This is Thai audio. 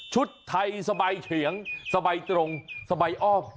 ชุดไทยสบายเฉียงสบายตรงสบายอ้อม